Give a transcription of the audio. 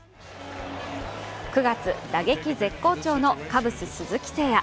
９月、打撃絶好調のカブス・鈴木誠也。